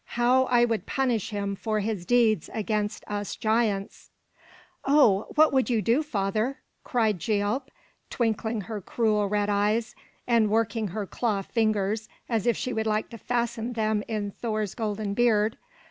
How I would punish him for his deeds against us giants!" "Oh, what would you do, father?" cried Gialp, twinkling her cruel red eyes, and working her claw fingers as if she would like to fasten them in Thor's golden beard.